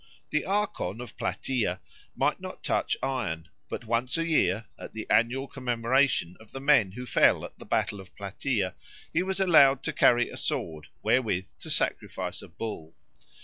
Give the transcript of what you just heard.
The Archon of Plataea might not touch iron; but once a year, at the annual commemoration of the men who fell at the battle of Plataea, he was allowed to carry a sword wherewith to sacrifice a bull.